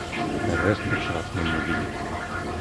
Err-as-d tacḍaṭ n Nnbi.